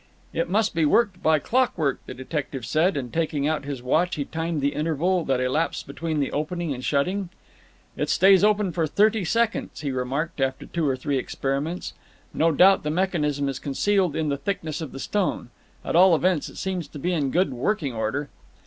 "It must be worked by clockwork," the detective said, and taking out his watch he timed the interval that elapsed between the opening and shutting. "It stays open for thirty seconds," he remarked after two or three experiments. "No doubt the mechanism is concealed in the thickness of the stone. At all events it seems to be in good working order."